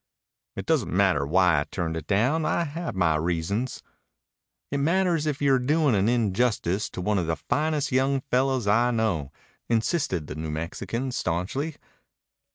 "It doesn't matter why I turned it down. I had my reasons." "It matters if you're doin' an injustice to one of the finest young fellows I know," insisted the New Mexican stanchly.